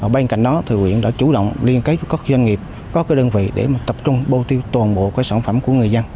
bên cạnh đó huyện đã chủ động liên kết với các doanh nghiệp các đơn vị để tập trung bầu tiêu tồn bộ sản phẩm của người dân